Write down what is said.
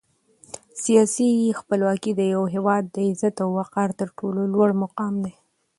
سیاسي خپلواکي د یو هېواد د عزت او وقار تر ټولو لوړ مقام دی.